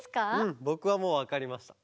ぼくはもうわかりました。